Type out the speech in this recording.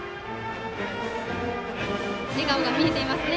笑顔が見えていますね。